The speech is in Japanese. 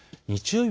日曜日